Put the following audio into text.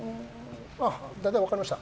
大体分かりました。